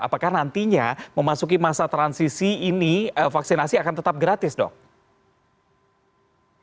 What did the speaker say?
apakah nantinya memasuki masa transisi ini vaksinasi akan tetap gratis dok